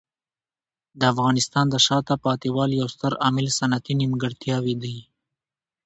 د افغانستان د شاته پاتې والي یو ستر عامل صنعتي نیمګړتیاوې دي.